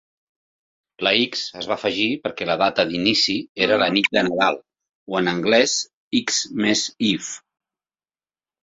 La "X" es va afegir perquè la data d'inici era la nit de Nadal o, en anglès, "X"mas eve.